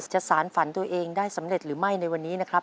สารฝันตัวเองได้สำเร็จหรือไม่ในวันนี้นะครับ